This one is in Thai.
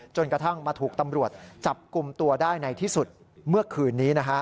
จนกระทั่งมาถูกตำรวจจับกลุ่มตัวได้ในที่สุดเมื่อคืนนี้